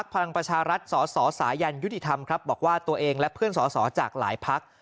พลังประชารัฐสสสายันยุติธรรมครับบอกว่าตัวเองและเพื่อนสอสอจากหลายพัก